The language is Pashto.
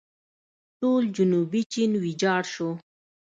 ټول جنوبي چین ویجاړ شو.